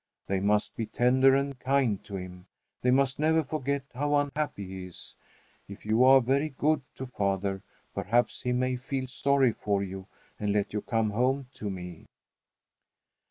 They must be tender and kind to him. They must never forget how unhappy he is. "If you are very good to father, perhaps he may feel sorry for you and let you come home to me."